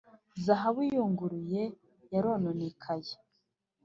zahabu iyunguruye yarononekaye!